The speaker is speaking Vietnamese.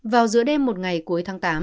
vào giữa đêm một ngày cuối tháng tám